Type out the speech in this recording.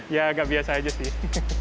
ya agak biasa aja sih